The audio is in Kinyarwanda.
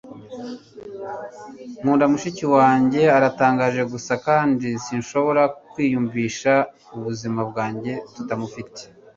nkunda mushiki wanjye. aratangaje gusa kandi sinshobora kwiyumvisha ubuzima bwanjye tutamufite